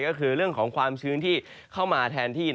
ก็คือเรื่องของความชื้นที่เข้ามาแทนที่